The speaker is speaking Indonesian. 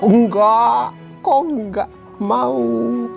enggak kok gak mau